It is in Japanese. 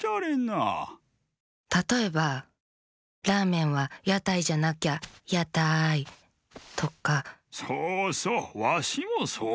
たとえば「ラーメンはやたいじゃなきゃやたい！」とか。そうそうわしもそうおもう。